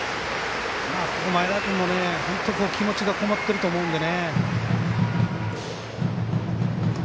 前田君も、本当に気持ちがこもってると思うので。